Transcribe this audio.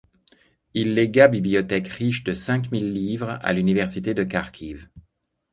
Il légua bibliothèque riche de cinq mille livres à l'Université de Karkhiv.